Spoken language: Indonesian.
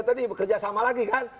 tadi bekerja sama lagi kan